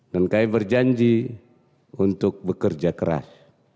dan kami berjanji untuk bekerja keras